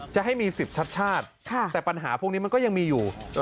จะให้มี๑๐ชัดชาติแต่ปัญหาพวกนี้มันก็ยังมีอยู่